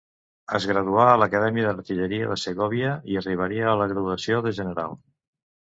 Es graduà a l'Acadèmia d'Artilleria de Segòvia i arribaria a la graduació de general.